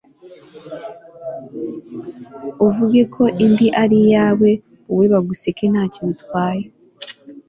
uvuge ko imbi ari iyawe, wowe baguseke nta cyo bitwaye'